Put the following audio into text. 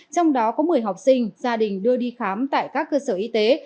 trong đó có một mươi học sinh gia đình đưa đi khám tại các cơ sở y tế